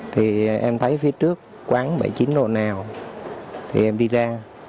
thì em thấy phía trước quán bảy mươi chín độ nào thì em đi ra